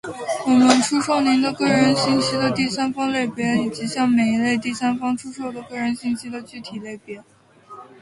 我们出售您个人信息的第三方类别，以及向每一类第三方出售的个人信息的具体类别。